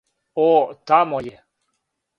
О, тамо је.